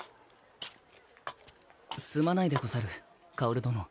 すまないでござる薫殿。